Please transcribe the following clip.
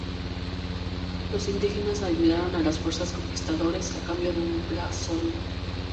Los indígenas ayudaron a las fuerzas conquistadores a cambio de un blasón.